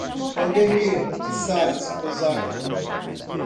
Claudemir de Sales Rosario